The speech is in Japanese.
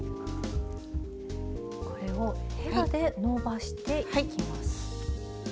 これをヘラでのばしていきます。